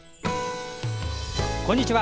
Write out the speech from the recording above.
こんにちは。